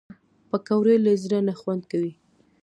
پکورې له زړه نه خوند کوي